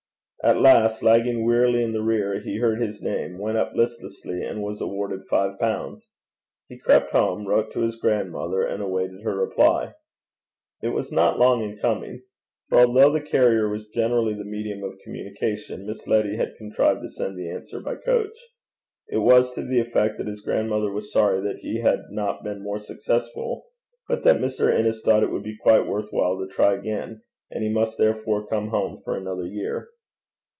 At last, lagging wearily in the rear, he heard his name, went up listlessly, and was awarded five pounds. He crept home, wrote to his grandmother, and awaited her reply. It was not long in coming; for although the carrier was generally the medium of communication, Miss Letty had contrived to send the answer by coach. It was to the effect that his grandmother was sorry that he had not been more successful, but that Mr. Innes thought it would be quite worth while to try again, and he must therefore come home for another year.